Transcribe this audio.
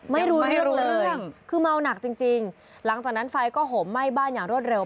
ไม่รู้เรื่องเลยคือเมาหนักจริงจริงหลังจากนั้นไฟก็ห่มไหม้บ้านอย่างรวดเร็ว